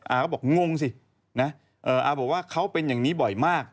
อาก็บอกงงสินะอาบอกว่าเขาเป็นอย่างนี้บ่อยมาก